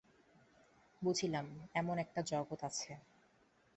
বুঝিলাম, শচীশ এমন-একটা জগতে আছে আমি যেখানে একেবারেই নাই।